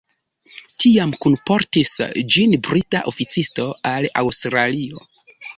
Tiam kunportis ĝin brita oficisto al Aŭstralio.